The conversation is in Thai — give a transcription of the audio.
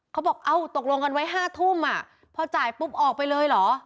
เขาบอกเอ้าตกลงกันไว้๕ทุ่มพอจ่ายปุ๊บออกไปเลยเหรอ